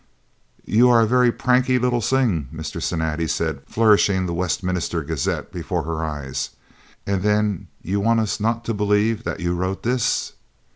"You are a very pranky little sing," Mr. Cinatti said, flourishing the Westminster Gazette before her eyes, "and den you want us not to believe dat you wrote dis."